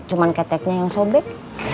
cuma keteknya yang sobek